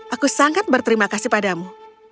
aku sangat berterima kasih padamu